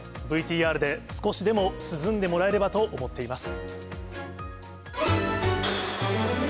ＶＴＲで少しでも、涼んでもらえればと思っています。